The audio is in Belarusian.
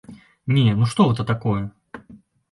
Не, ну што гэта такое?